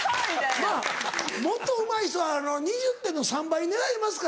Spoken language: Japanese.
まぁもっとうまい人は２０点の３倍狙いますからね。